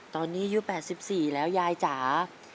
ตอนนี้อายุ๘๔แล้วยายจ๋า